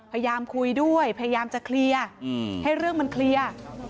พยายามคุยด้วยพยายามจะเคลียร์ให้เรื่องมันเคลียร์